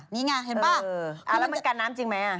นี่ไงเห็นป่ะแล้วมันกันน้ำจริงไหม